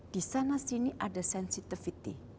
disana sini ada sensitivity